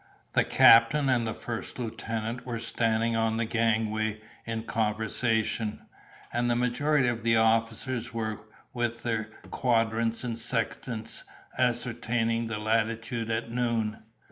The captain and first lieutenant were standing on the gangway in converse, and the majority of the officers were with their quadrants and sextants ascertaining the latitude at noon.